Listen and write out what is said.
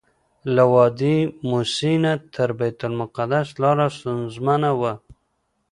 له وادي موسی نه تر بیت المقدسه لاره ستونزمنه وه.